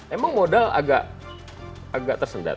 emang modal agak tersendat